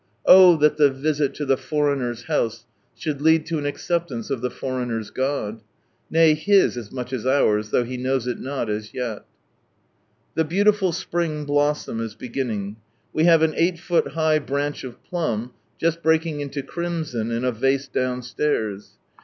Oh chat the visit to the foreigner's house should lead to an acceptance of the foreigner's God. Nay his as much as ours, though he knows it not as yet. The beautiful Spring Blossom is beginning. We have an eight foot high branch of Plum, just breaking into crimson, in a vase downstairs.